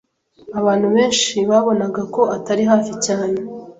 abantu benshi babonaga ko atari hafi cyane